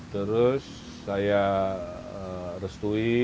terus saya restui